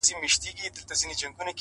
زما د لاس شينكى خال يې له وخته وو ساتلى؛